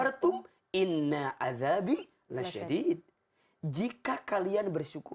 itu ada kalimat yang lain